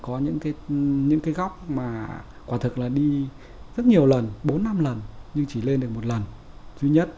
có những cái góc mà quả thực là đi rất nhiều lần bốn năm lần nhưng chỉ lên được một lần thứ nhất